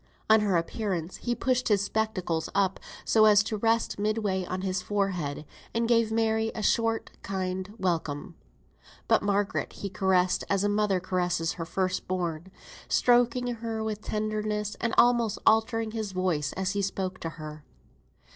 On her appearance he pushed his spectacles up so as to rest midway on his forehead, and gave Mary a short, kind welcome. But Margaret he caressed as a mother caresses her first born; stroking her with tenderness, and almost altering his voice as he spoke to her.